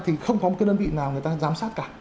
thì không có một cái đơn vị nào người ta giám sát cả